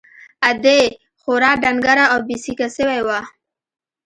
ادې خورا ډنگره او بې سېکه سوې وه.